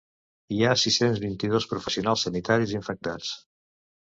Hi ha sis-cents vint-i-dos professionals sanitaris infectats.